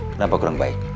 kenapa kurang baik